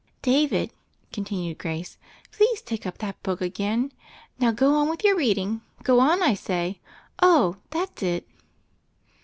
"David," continued Grace, "please take up that book again. Now go on with your reading — ^go on, I say. Oh I that's it."